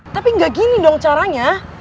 tapi nggak gini dong caranya